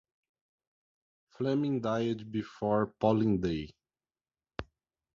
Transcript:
Fleming, died before polling day.